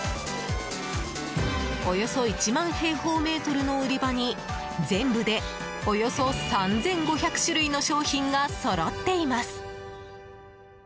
およそ１万平方メートルの売り場に全部でおよそ３５００種類の商品がそろっています。